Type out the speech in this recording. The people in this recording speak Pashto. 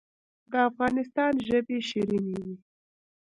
د افغانستان ژبې شیرینې دي